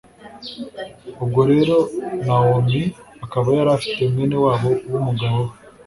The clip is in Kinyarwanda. ubwo rero nawomi akaba yari afite mwene wabo w'umugabo we